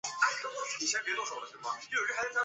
铁东区是吉林省四平市下辖的一个市辖区。